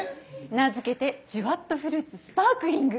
名付けて「ジュワっとフルーツスパークリング」。